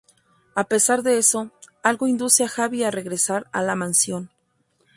A pesar de eso, algo induce a Javi a regresar a la Mansión.